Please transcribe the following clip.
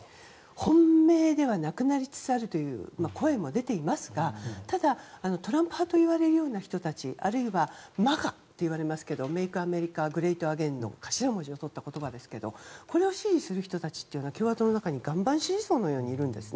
本命ではなくなりつつあるという声も出ていますがただ、トランプ派といわれるような人たちあるいはＭＡＧＡと言われますけど「ＭａｋｅＡｍｅｒｉｃａＧｒｅａｔＡｇａｉｎ」の頭文字を取った言葉ですがこれを支持する人たちは共和党の中に岩盤支持層のようにいるんです。